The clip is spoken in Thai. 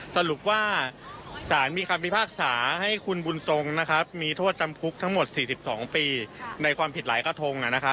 สรุปว่าสารมีความพิพากษาให้คุณบุญทรงทรสจำคลุก๔๒ปีโดยผิดหลายกะทง